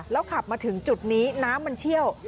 ขับมาถึงจุดนี้น้ำมันเชี่ยว